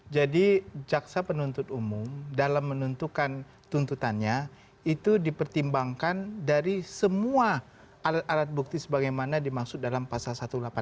jadi jaksa penuntut umum dalam menentukan tuntutannya itu dipertimbangkan dari semua alat alat bukti sebagaimana dimaksud dalam pasal satu ratus delapan puluh empat